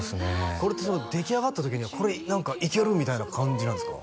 それって出来上がった時にこれ何かいける！みたいな感じなんですか？